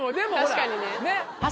確かにね。